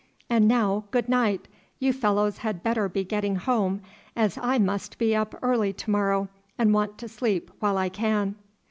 And now, good night; you fellows had better be getting home as I must be up early to morrow and want to sleep while I can."